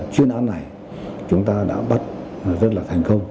chuyên án này chúng ta đã bắt rất là thành công